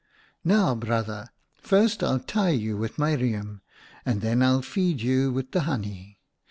"' Now, Brother, first I'll tie you with my riem, and then I'll feed you with the honey.'